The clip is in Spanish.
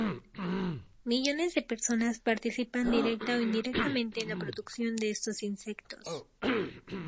Millones de personas participan directa o indirectamente en la producción de estos insectos.